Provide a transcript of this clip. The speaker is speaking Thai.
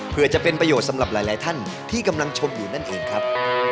เพื่อจะเป็นประโยชน์สำหรับหลายท่านที่กำลังชมอยู่นั่นเองครับ